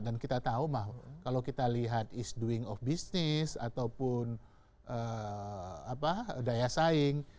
dan kita tahu kalau kita lihat is doing of business ataupun daya saing